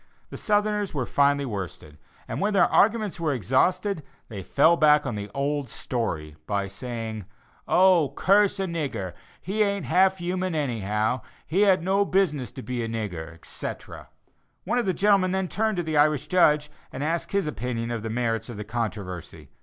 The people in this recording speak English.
The Southerners were finally worsted, and when their arguments were exhausted, they fell back on the old story, by saying: "Oh! curse a nigger, he ain't half human anyhow; he had no business to be a nigger, etc." One of the gentlemen then turned to the Irish judge, and asked his opinion of the merits of the controversy.